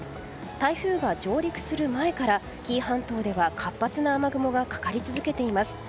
台風が上陸する前から紀伊半島では活発な雨雲がかかり続けています。